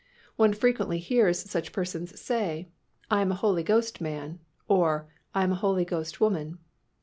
One frequently hears such persons say, "I am a Holy Ghost man," or "I am a Holy Ghost woman."